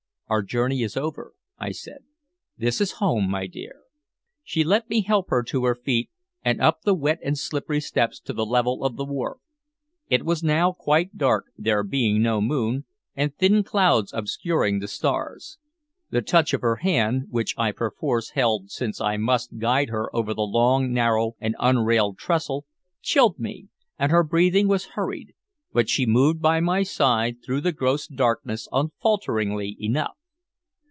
"Our journey is over," I said. "This is home, my dear." She let me help her to her feet, and up the wet and slippery steps to the level of the wharf. It was now quite dark, there being no moon, and thin clouds obscuring the stars. The touch of her hand, which I perforce held since I must guide her over the long, narrow, and unrailed trestle, chilled me, and her breathing was hurried, but she moved by my side through the gross darkness unfalteringly enough.